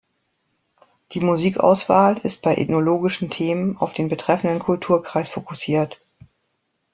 Die Musikauswahl ist bei ethnologischen Themen auf den betreffenden Kulturkreis fokussiert.